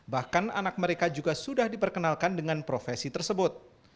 bahkan anak mereka juga sudah diperkenalkan dengan profesi tersebut